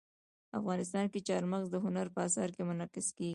افغانستان کې چار مغز د هنر په اثار کې منعکس کېږي.